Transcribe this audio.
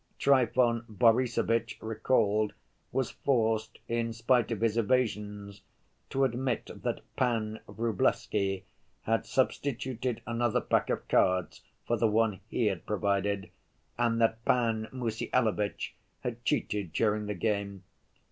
Trifon Borissovitch, recalled, was forced, in spite of his evasions, to admit that Pan Vrublevsky had substituted another pack of cards for the one he had provided, and that Pan Mussyalovitch had cheated during the game.